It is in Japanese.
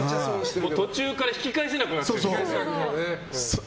途中から引き返せなくなってくるんだよね。